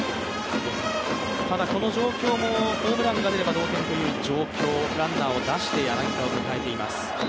ただこの状況もホームランが出れば同点という状況、ランナーを出して柳田を迎えています。